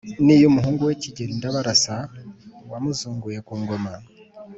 n’iy’umuhungu we Kigeli Ndabarasa wamuzunguye ku ngoma.